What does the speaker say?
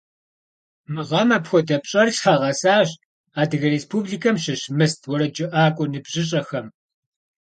Мы гъэм апхуэдэ пщӏэр лъагъэсащ Адыгэ Республикэм щыщ «Мыст» уэрэджыӏакӏуэ ныбжьыщӏэхэм.